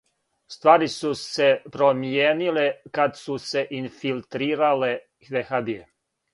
Ствари су се промијениле кад су се инфилтрирале вехабије.